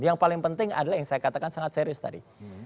yang paling penting adalah yang saya katakan sangat serius tadi